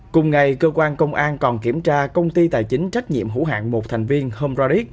cùng ngày cơ quan công an còn kiểm tra công ty tài chính trách nhiệm hữu hạng một thành viên home raric